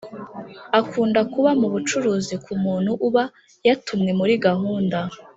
Akunda kuba mu bucuruzi ku muntu uba yatumwe muri gahunda